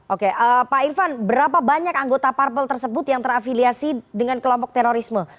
oke pak irfan berapa banyak anggota parpel tersebut yang terafiliasi dengan kelompok terorisme